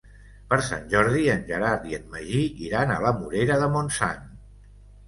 Per Sant Jordi en Gerard i en Magí iran a la Morera de Montsant.